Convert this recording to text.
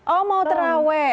oh mau terawih